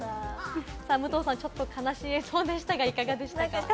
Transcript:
武藤さん、ちょっと悲しい映像でしたが、いかがでしたか？